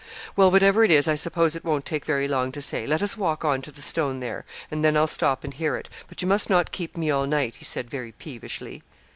'Well, whatever it is, I suppose it won't take very long to say let us walk on to the stone there, and then I'll stop and hear it but you must not keep me all night,' he said, very peevishly.